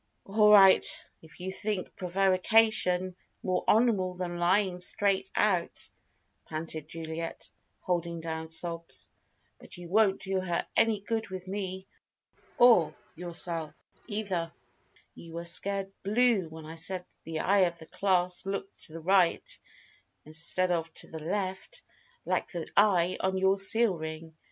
"All right, if you think prevarication more honourable than lying straight out," panted Juliet, holding down sobs. "But you won't do her any good with me or yourself either. You were scared blue when I said the eye of the clasp looked to the right instead of to the left, like the eye on your seal ring.